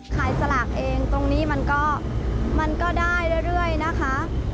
สลากเองตรงนี้มันก็ได้เรื่อยนะคะ